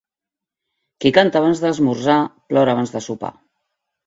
Qui canta abans d'esmorzar, plora abans de sopar.